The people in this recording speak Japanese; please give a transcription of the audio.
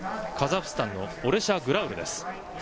カザフスタンのオレシャ・グラウルです。